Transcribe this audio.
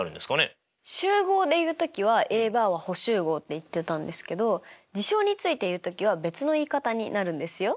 集合で言うときはＡバーは補集合って言ってたんですけど事象について言うときは別の言い方になるんですよ。